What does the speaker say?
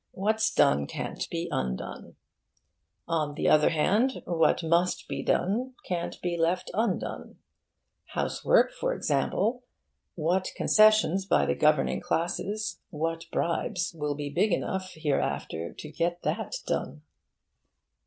What's done can't be undone. On the other hand, what must be done can't be left undone. Housework, for example. What concessions by the governing classes, what bribes, will be big enough hereafter to get that done?